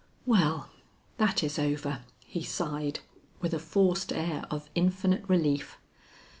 "Well, that is over," he sighed, with a forced air of infinite relief.